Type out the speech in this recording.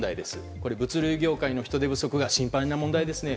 これ、物流業界の人手不足が心配な問題ですね。